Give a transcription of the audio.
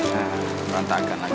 nah merantahkan lagi